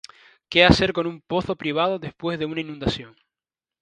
Qué hacer con su pozo privado después de una inundación